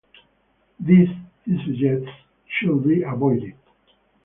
These, he suggests, should be avoided.